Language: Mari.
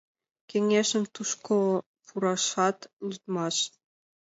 Кеҥежым тушко пурашат лӱдмаш.